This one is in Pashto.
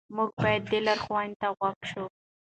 موږ باید دې لارښوونې ته غوږ شو.